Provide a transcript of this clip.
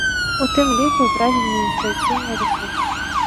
У тым ліку і праз адміністрацыйны рэсурс.